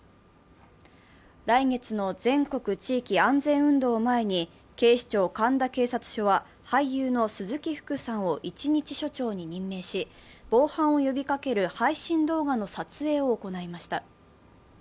来月の全国地域安全運動を前に警視庁神田警察署は、俳優の鈴木福さんを一日署長に任命し防犯を呼びかける配信動画の撮影を行いました。